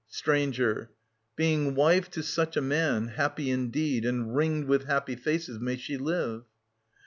Stranger. Being wife to such a man, happy indeed And ringed with happy faces may she live